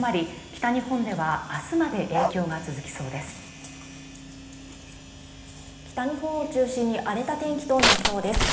北日本中心に荒れた天気となりそうです